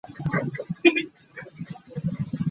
Ngakchia pa bawlung an chuih.